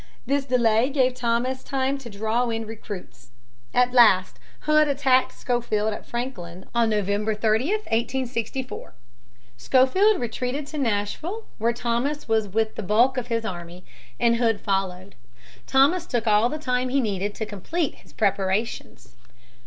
This delay gave Thomas time to draw in recruits. At last Hood attacked Schofield at Franklin on November 30, 1864. Schofield retreated to Nashville, where Thomas was with the bulk of his army, and Hood followed. Thomas took all the time he needed to complete his preparations.